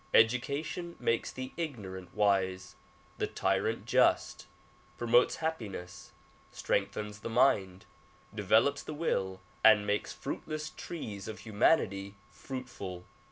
Education makes the ignorant wise, the tyrant just, promotes happiness, strengthens the mind, develops the will and makes fruitless trees of humanity fruitful.